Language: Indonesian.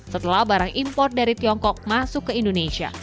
setelah barang impor dari tiongkok masuk ke indonesia